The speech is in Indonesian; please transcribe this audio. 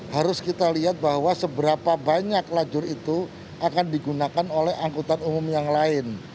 harus kita lihat bahwa seberapa banyak lajur itu akan digunakan oleh angkutan umum yang lain